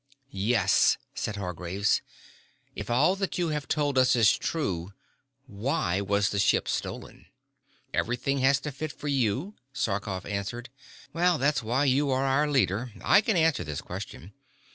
"Yes," said Hargraves. "If all that you have told us is true, why was the ship stolen?" "Everything has to fit for you?" Sarkoff answered. "Well, that's why you are our leader. I can answer this question.